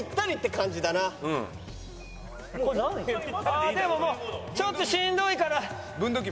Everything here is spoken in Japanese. ああでもちょっとしんどいから。